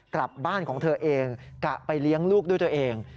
กลับบ้านของเธอเองกะไปเลี้ยงลูกด้วยตัวเอง